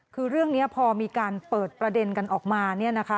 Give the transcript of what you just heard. คือเรื่องนี้พอมีการเปิดประเด็นกันออกมาเนี่ยนะคะ